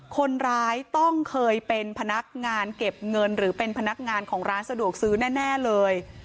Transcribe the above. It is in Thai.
คนร้ายต้องเคยเป็นพนักงานเก็บเงินหรือเป็นพนักงานของร้านสะดวกซื้อแน่เลย